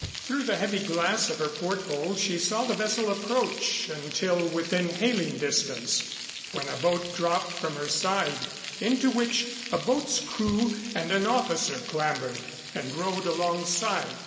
Through the heavy glass of her port hole she saw the vessel approach until within hailing distance when a boat dropped from her side into which a boat's crew and an officer clambered and rowed alongside.